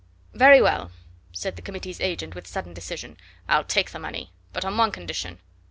"Very well," said the Committee's agent with sudden decision, "I'll take the money. But on one condition."